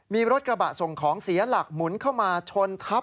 มีรถกระบะส่งของเสียหลักหมุนเข้ามาชนทับ